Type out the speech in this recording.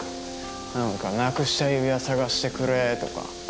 何かなくした指輪探してくれとか。